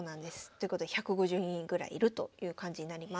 ということで１５０人ぐらいいるという感じになります。